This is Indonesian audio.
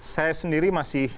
saya sendiri masih